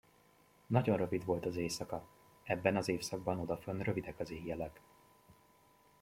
Nagyon rövid volt az éjszaka; ebben az évszakban odafönn rövidek az éjjelek.